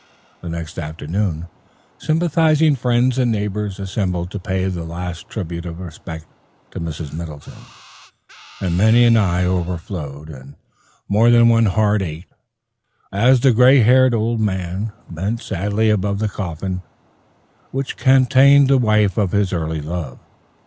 The next afternoon sympathizing friends and neighbors assembled to pay the last tribute of respect to Mrs. Middleton, and many an eye overflowed, and more than one heart ached as the gray haired old man bent sadly above the coffin, which contained the wife of his early love.